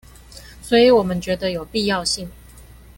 所以我們覺得有必要性